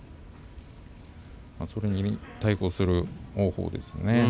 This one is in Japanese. それに対抗する王鵬ですね。